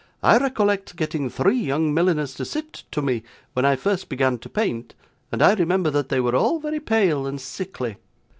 'I recollect getting three young milliners to sit to me, when I first began to paint, and I remember that they were all very pale and sickly.